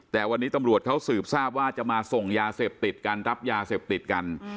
แต่วันนี้ตำรวจเขาสืบทราบว่าจะมาส่งยาเสพติดกันรับยาเสพติดกัน